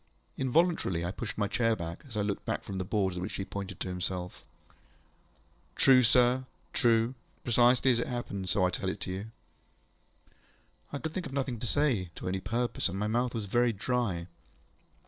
ŌĆØ Involuntarily I pushed my chair back, as I looked from the boards at which he pointed to himself. ŌĆ£True, sir. True. Precisely as it happened, so I tell it you. ŌĆØ I could think of nothing to say, to any purpose, and my mouth was very dry.